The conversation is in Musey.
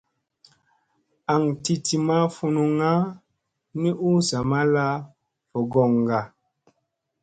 Aŋ ti ti ma funuŋŋa ni u zamalla vogoŋga.